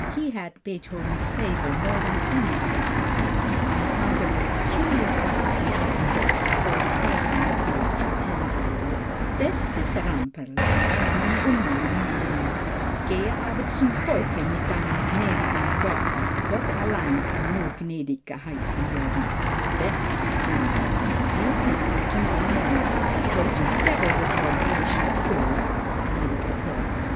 He had Beethoven's favor more than any other copyist, on account of a peculiar faculty he possessed for deciphering the master's handwriting. _Bestes Ramperl, Komme um morgen früh. Gehe aber zum Teufel mit deinem Gnädiger Herr. Gott allein kann nur gnädig geheissen werden._ BEST RAMPEL, You can come to morrow morning, but go to the devil with your "Gracious Sir," (Gnädiger Herr).